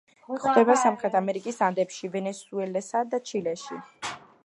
გვხვდება სამხრეთ ამერიკის ანდებში, ვენესუელასა და ჩილეში.